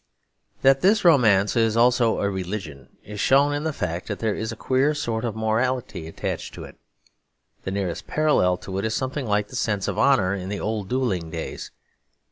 That this romance is also a religion is shown in the fact that there is a queer sort of morality attached to it. The nearest parallel to it is something like the sense of honour in the old duelling days.